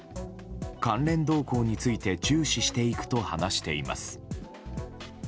関連動向について注視していくと話しています。